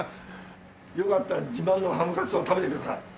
よかったら自慢のハムカツを食べてください。